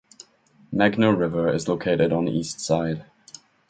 Meghna River is located on East side.